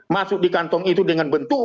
masuk di kantong itu dengan bentuk